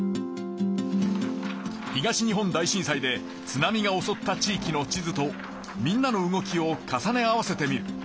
東日本大震災で津波がおそった地いきの地図とみんなの動きを重ね合わせてみる。